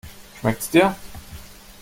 Schmeckt's dir?